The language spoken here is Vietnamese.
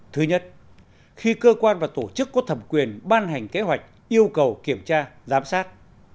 thứ nhất khi cơ quan và tổ chức có thẩm quyền ban hành kế hoạch yêu cầu kiểm tra giám sát